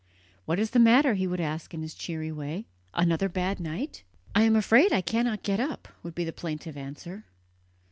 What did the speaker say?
"What is the matter?" he would ask in his cheery way "another bad night?" "I am afraid I cannot get up," would be the plaintive answer.